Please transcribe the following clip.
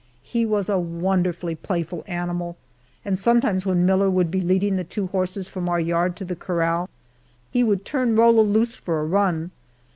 He was a wonderfully playful animal, and sometimes when Miller would be leading the two horses from our yard to the corral, he would turn Rollo loose for a run.